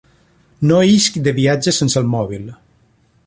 No isc de viatge sense el mòbil.